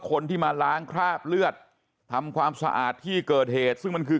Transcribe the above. คนที่มาล้างคราบเลือดทำความสะอาดที่เกิดเหตุซึ่งมันคือ